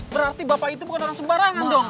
berarti bapak itu bukan orang sembarangan dong